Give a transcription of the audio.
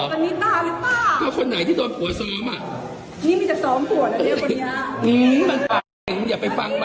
คุณก็คนไหนที่ถูกโดนผัวซ้อม